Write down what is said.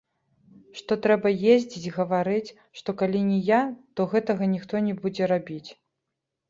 Што трэба ездзіць, гаварыць, што калі не я, то гэтага ніхто не будзе рабіць.